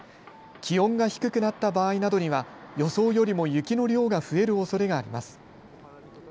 気温が低くなった場合などには予想よりも雪の量が増えるおそれがあります。